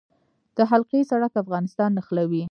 د حلقوي سړک افغانستان نښلوي